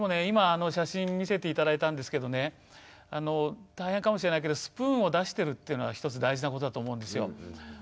今写真見せて頂いたんですけどね大変かもしれないけどスプーンをだしてるっていうのはひとつ大事なことだと思うんですよ。